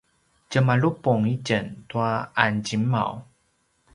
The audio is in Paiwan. tjemalupung itjen tua anzingmau